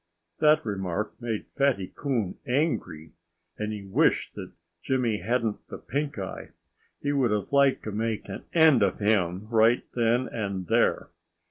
That remark made Fatty Coon angry. And he wished that Jimmy hadn't the pink eye. He would have liked to make an end of him right then and there.